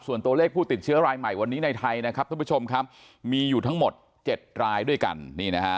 ส่วนตัวเลขผู้ติดเชื้อรายใหม่วันนี้ในไทยนะครับท่านผู้ชมครับมีอยู่ทั้งหมด๗รายด้วยกันนี่นะฮะ